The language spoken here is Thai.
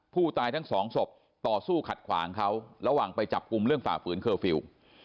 ทั้งสองศพต่อสู้ขัดขวางเขาระหว่างไปจับกลุ่มเรื่องฝ่าฝืนเคอร์ฟิลล์